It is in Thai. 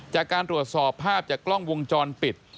จากการตรวจสอบภาพจากกล้องวงจรปิด